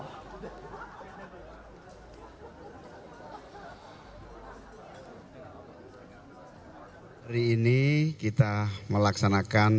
hari ini kita melaksanakan